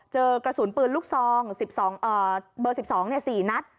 เจอกระสุนปืนลูกทรอง๑๒เนี่ย๔นัด